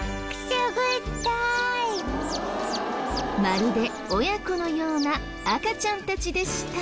まるで親子のような赤ちゃんたちでした。